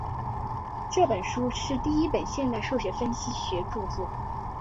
这本书是第一本现代数学分析学着作。